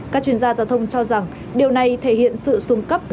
các chuyên gia giao thông cho rằng điều này thể hiện sự xuống cấp